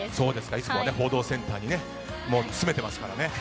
いつも報道センターに詰めていますからね。